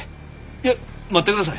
いや待ってください。